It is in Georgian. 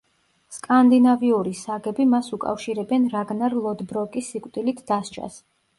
სკანდინავიური საგები მას უკავშირებენ რაგნარ ლოდბროკის სიკვდილით დასჯას.